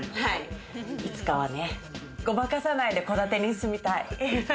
いつかはね、ごまかさないで戸建てに住みたい。